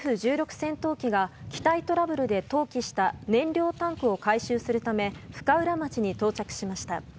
戦闘機が機体トラブルで投棄した燃料タンクを回収するため深浦町に到着しました。